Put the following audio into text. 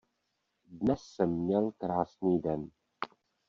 Dnes jsem měl krásný den.